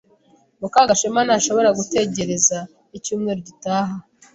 Mukagashema ntashobora gutegereza icyumweru gitaha.